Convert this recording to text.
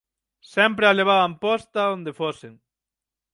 Sempre a levaban posta onde fosen.